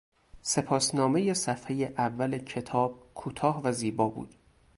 سپاس نامهی صفحهی اول کتاب کوتاه و زیبا بود.